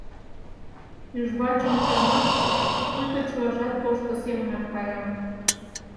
Тӱжвач ончалмаште пуйто чылажат тошто семынак кая.